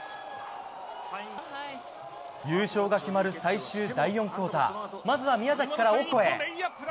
優勝が決まる最終、第４クオーターまずは宮崎からオコエ。